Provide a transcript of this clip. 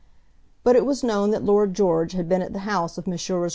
But it was known that Lord George had been at the house of Messrs.